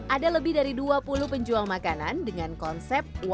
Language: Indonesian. ada lebih dari dua puluh penjual makanan dengan konsep